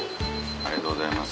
ありがとうございます。